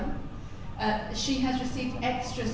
ออกไปตั้งแต่ปีอะไร